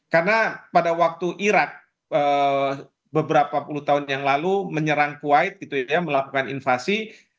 karena pada waktu irak beberapa puluh tahun yang lalu menyerang kuwait melakukan invasi